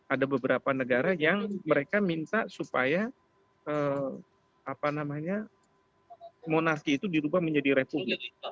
ada beberapa negara yang mereka minta supaya monarki itu dirubah menjadi republik